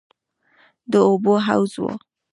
د اوبو حوض و.